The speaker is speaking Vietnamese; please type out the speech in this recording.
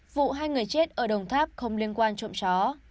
vụ hai người chết ở đồng tháp không liên quan trộm chó